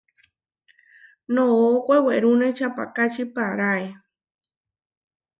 Noʼó wewerúne čapahkáči paaráe.